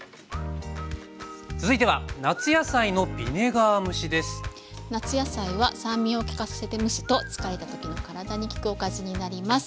続いては夏野菜は酸味を利かせて蒸すと疲れた時の体に効くおかずになります。